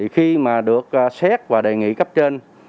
khi mà được xét và đề nghị cấp trên